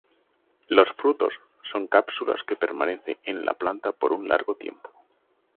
Los frutos son cápsulas que permanecen en la planta por un largo tiempo.